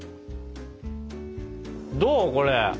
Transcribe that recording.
どうこれ？